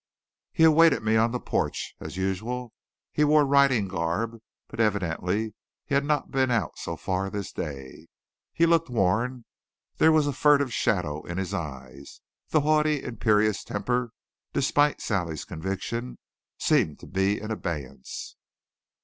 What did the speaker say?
He awaited me on the porch. As usual, he wore riding garb, but evidently he had not been out so far this day. He looked worn. There was a furtive shadow in his eyes. The haughty, imperious temper, despite Sally's conviction, seemed to be in abeyance.